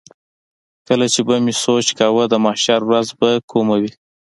کله چې به مې سوچ کاوه د محشر ورځ به کومه وي.